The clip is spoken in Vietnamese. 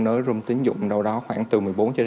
nới rung tiến dụng đâu đó khoảng từ một mươi bốn một mươi năm